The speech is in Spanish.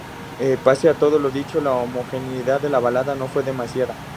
Pese a todo lo dicho la homogeneidad de la balada no fue demasiada.